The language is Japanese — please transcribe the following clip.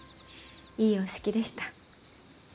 いいお式でした。